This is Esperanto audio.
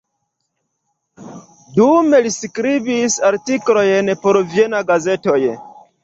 Dume li skribis artikolojn por viena gazetoj.